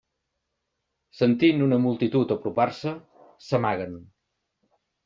Sentint una multitud apropar-se, s'amaguen.